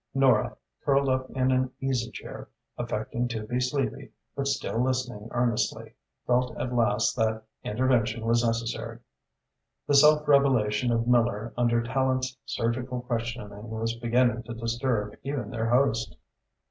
Nora, curled up in an easy chair, affecting to be sleepy, but still listening earnestly, felt at last that intervention was necessary. The self revelation of Miller under Tallente's surgical questioning was beginning to disturb even their host.